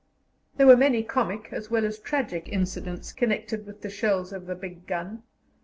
There were many comic as well as tragic incidents connected with the shells of the big gun.